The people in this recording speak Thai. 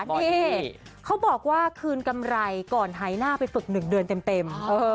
นี่เขาบอกว่าคืนกำไรก่อนหายหน้าไปฝึก๑เดือนเต็ม